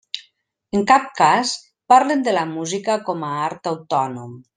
En cap cas parlen de la música com a art autònom.